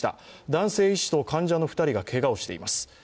男性医師と患者の２人がけがをしています。